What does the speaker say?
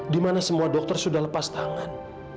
di mana semua dokter sudah lepas tangan